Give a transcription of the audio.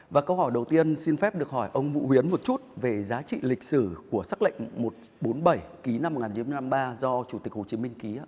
và câu hỏi đầu tiên xin phép được hỏi ông vũ huyến một chút về giá trị lịch sử của sắc lệnh một trăm bốn mươi bảy ký năm một nghìn chín trăm năm mươi ba do chủ tịch hồ chí minh ký